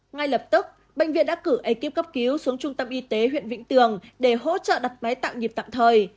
ngay lập tức bệnh viện đã cử ekip cấp cứu xuống trung tâm y tế huyện vĩnh tường để hỗ trợ đặt máy tạm nhịp tạm thời